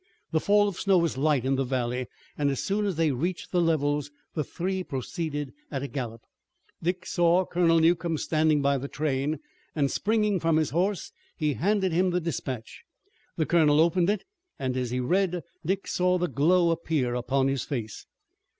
The fall of snow was light in the valley and as soon as they reached the levels the three proceeded at a gallop. Dick saw Colonel Newcomb standing by the train, and springing from his horse he handed him the dispatch. The colonel opened it, and as he read Dick saw the glow appear upon his face.